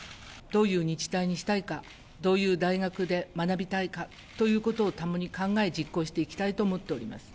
どういう日大にしたいか、どういう大学で学びたいかということを共に考え、実行していきたいと思っております。